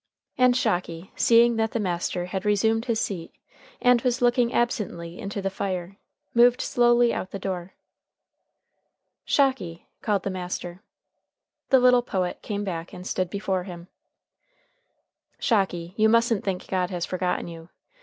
And Shocky, seeing that the master had resumed his seat and was looking absently into the fire, moved slowly out the door. "Shocky!" called the master. The little poet came back and stood before him. "Shocky, you mustn't think God has forgotten you.